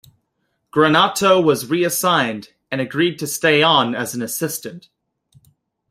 Granato was reassigned and agreed to stay on as an assistant.